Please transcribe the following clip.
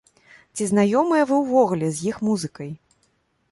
Ці знаёмыя вы ўвогуле з іх музыкай?